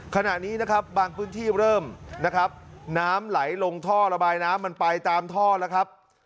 ขณะนี้นะครับบางพื้นที่เริ่มนะครับน้ำไหลลงท่อระบายน้ำมันไปตามท่อแล้วครับ